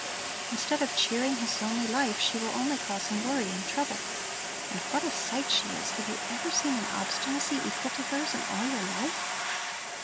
Instead of cheering his lonely life, she will only cause him worry and trouble. And what a sight she is! Have you ever seen an obstinacy equal to hers in all your life?"